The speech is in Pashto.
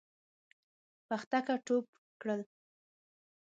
پختکه ټوپ کړل.